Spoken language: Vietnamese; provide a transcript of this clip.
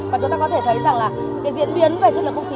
và chúng ta có thể thấy diễn biến về chất lượng không khí